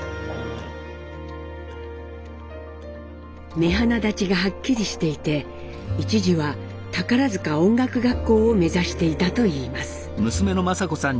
目鼻立ちがハッキリしていて一時は宝塚音楽学校を目指していたといいます。